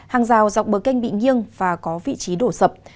hàng rào dọc bờ canh bị nghiêng và có vị trí đổ sập